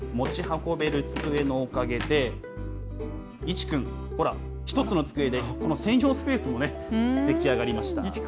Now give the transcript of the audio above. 持ち運べる机のおかげで、壱君、ほら、１つの机で専用スペースも出来上がりました。